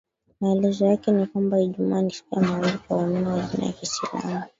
Maelezo yake ni kwamba Ijumaa ni siku ya maombi kwa waumini wa dini ya kiislamu